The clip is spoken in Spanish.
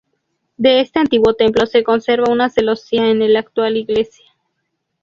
De este antiguo templo se conserva una celosía en el actual iglesia.